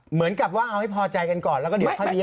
เหมือนกับว่าเอาให้พอใจกันก่อนแล้วก็เดี๋ยวค่อยมี